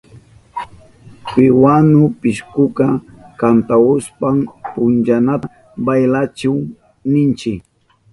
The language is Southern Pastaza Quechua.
Piwanu pishkuka kantahushpan punchanata baylachihun ninchi.